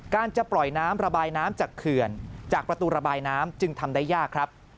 จะปล่อยน้ำระบายน้ำจากเขื่อนจากประตูระบายน้ำจึงทำได้ยากครับ